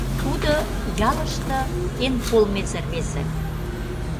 Тудо ялыште эн полмезе рвезе.